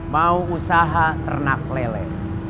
mau usaha ternak lele